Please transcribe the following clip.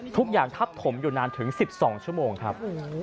ทุกอย่างทับถมอยู่นานถึง๑๒ชั่วโมงครับ